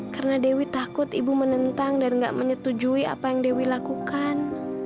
karena dewi takut ibu menentang dan gak menyetujui apa yang dewi lakukan